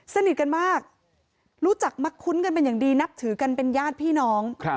สนิทกันมากรู้จักมักคุ้นกันเป็นอย่างดีนับถือกันเป็นญาติพี่น้อง